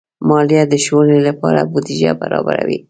مالیه د ښوونې لپاره بودیجه برابروي.